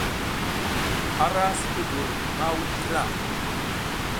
A ra sipi mbur ma wuɗ slra.